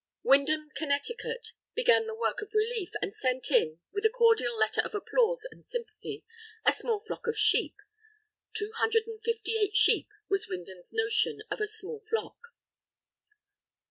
Windham, Connecticut, began the work of relief, and sent in, with a cordial letter of applause and sympathy, "a small flock of sheep." Two hundred and fifty eight sheep was Windham's notion of a small flock!